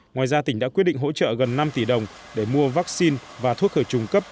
ngoài ra tỉnh đã quyết định hỗ trợ gần năm tỷ đồng để mua vaccine và thuốc khởi trùng cấp